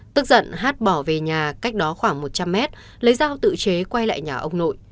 tức giận hát bỏ về nhà cách đó khoảng một trăm linh mét lấy dao tự chế quay lại nhà ông nội